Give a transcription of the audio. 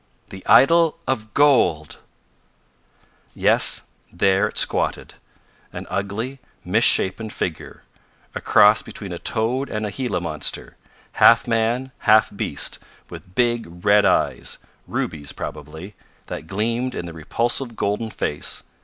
"The idol of gold!" Yes, there it squatted, an ugly, misshapen, figure, a cross between a toad and a gila monster, half man, half beast, with big red eyes rubies probably that gleamed in the repulsive golden face.